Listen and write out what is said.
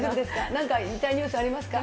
なんか言いたいニュースありますか？